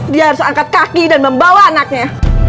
dia harus angkat kaki dan membawa anaknya